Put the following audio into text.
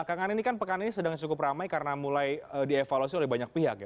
pekan ini kan sedang cukup ramai karena mulai dievaluasi oleh banyak pihak ya